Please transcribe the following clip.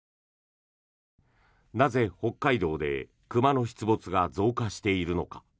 なぜ、北海道で熊の出没が増加しているのか。